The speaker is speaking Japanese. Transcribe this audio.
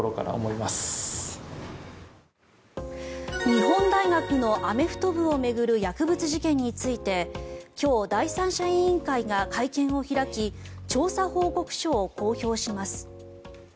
日本大学のアメフト部を巡る薬物事件について今日、第三者委員会が会見を開き調査報告書を公表します。